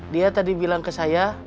dia tadi bilang ke saya